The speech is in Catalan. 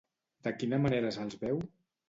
De quina manera se'ls veu?